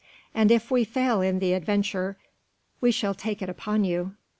And if we fail in the adventure, you shall take it upon you."